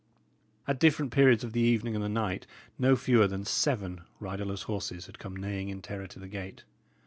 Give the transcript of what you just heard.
At different periods of the evening and the night, no fewer than seven riderless horses had come neighing in terror to the gate.